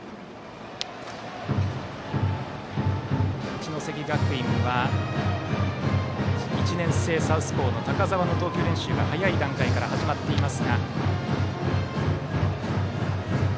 一関学院は１年生サウスポーの高澤の投球練習が早い段階から始まっています。